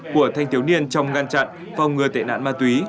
của thanh thiếu niên trong ngăn chặn phòng ngừa tệ nạn ma túy